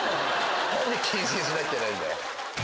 何で謹慎しなくちゃいけないんだよ！